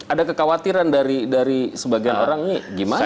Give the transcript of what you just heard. ada kekhawatiran dari sebagian orang nih gimana nih